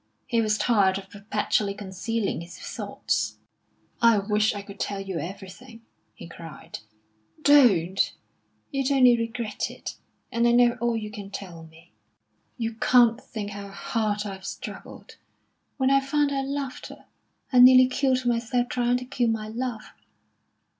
He was tired of perpetually concealing his thoughts. "I wish I could tell you everything!" he cried. "Don't! You'd only regret it. And I know all you can tell me." "You can't think how hard I've struggled. When I found I loved her, I nearly killed myself trying to kill my love.